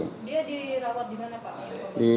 dia dirawat dimana pak